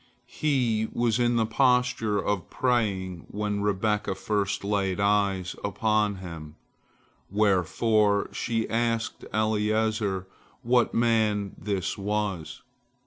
He was in the posture of praying when Rebekah first laid eyes upon him, wherefore she asked Eliezer what man this was.